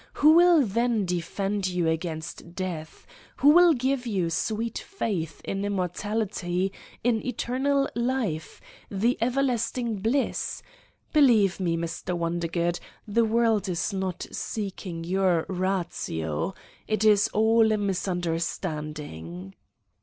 Who will then de fend you against death? Who will give you sweet faith in immortality, in eternal life, in everlast ing bliss? ... Believe me, Mr. Wondergood, the world is not seeking your ratio. It is all a misun derstanding!"